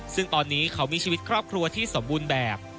ซึ่งตอนนี้เขามีชีวิตครอบครัวที่สมบูรณ์แบบ